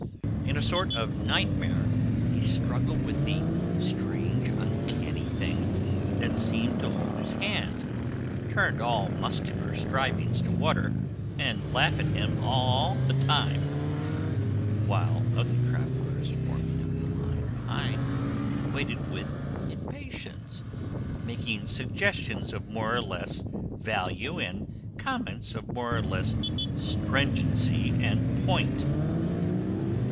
In a sort of nightmare he struggled with the strange uncanny thing that seemed to hold his hands, turn all muscular strivings to water, and laugh at him all the time; while other travellers, forming up in a line behind, waited with impatience, making suggestions of more or less value and comments of more or less stringency and point.